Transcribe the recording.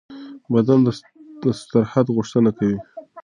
بدن د استراحت غوښتنه کوي.